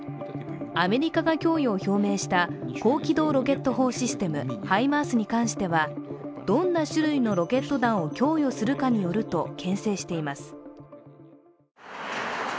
アメリカが供与を表明した高機動ロケット砲システム＝ハイマースに関してはどんな種類のロケット弾を供与するかによるとけん制しています。